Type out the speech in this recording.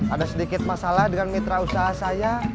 ada sedikit masalah dengan mitra usaha saya